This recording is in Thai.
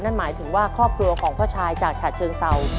นั่นหมายถึงว่าครอบครัวของพ่อชายจากฉะเชิงเศร้า